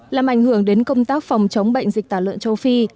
làm ảnh hưởng đến công tác phòng chống bệnh dịch tả lợn châu phi